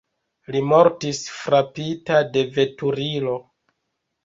Li mortis frapita de veturilo.